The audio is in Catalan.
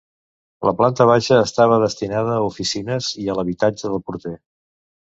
La planta baixa estava destinada a oficines i a l'habitatge del porter.